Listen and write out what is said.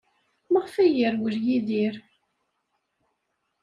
Maɣef ay yerwel Yidir?